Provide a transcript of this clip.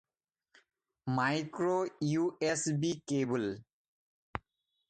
micro-USB cable